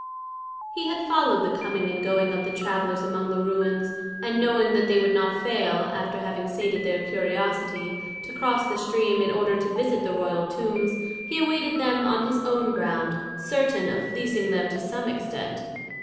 He had followed the coming and going of the travellers among the ruins, and knowing that they would not fail, after having sated their curiosity, to cross the stream in order to visit the royal tombs, he awaited them on his own ground, certain of fleecing them to some extent.